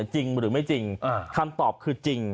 จริงหรือไม่จริงคำตอบคือจริง